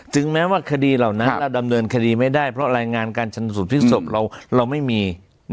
แม้ว่าคดีเหล่านั้นเราดำเนินคดีไม่ได้เพราะรายงานการชนสูตรพลิกศพเราไม่มี